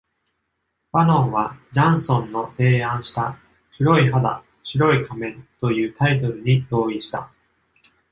ファノンはジャンソンの提案した「黒い肌、白い仮面」というタイトルに同意した。